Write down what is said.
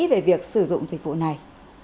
về việc sử dụng dịch vụ này